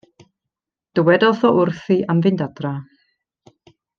Dywedodd o wrthi am fynd adra.